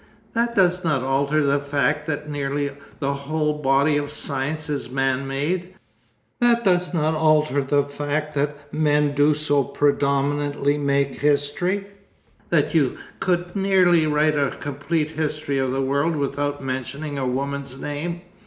That does not alter the fact that nearly the whole body of science is man made; that does not alter the fact that men do so predominatingly make history, that you could nearly write a complete history of the world without mentioning a woman's name.